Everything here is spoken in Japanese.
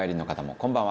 こんばんは。